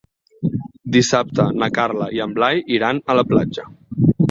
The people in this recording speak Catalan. Dissabte na Carla i en Blai iran a la platja.